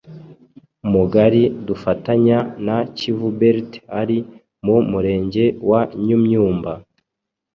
mugari dufatanya na Kivu Belt, ari mu murenge wa Nyumyumba